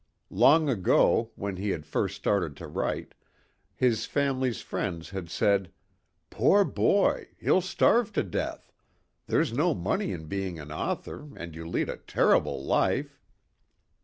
Long ago, when he had first started to write, his family's friends had said, "Poor boy, he'll starve to death. There's no money in being an author and you lead a terrible life."